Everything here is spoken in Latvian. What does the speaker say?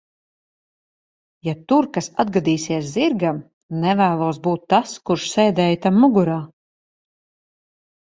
Ja tur kas atgadīsies zirgam, nevēlos būt tas, kurš sēdēja tam mugurā.